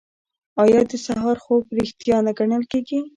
آیا د سهار خوب ریښتیا نه ګڼل کیږي؟